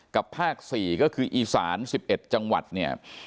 กับภาค๔ก็คืออีสาน๑๑จังหวัดเนี่ย